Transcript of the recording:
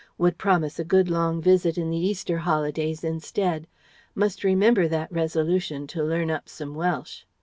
would promise a good long visit in the Easter holidays instead Must remember that resolution to learn up some Welsh.